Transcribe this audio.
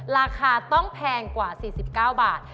ราคาต้องแพงกว่า๔๙บาท